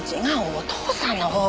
お父さんの方！